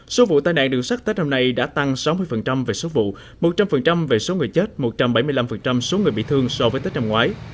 số vụ tai nạn đường sắt tết năm nay đã tăng sáu mươi về số vụ một trăm linh về số người chết một trăm bảy mươi năm số người bị thương so với tết năm ngoái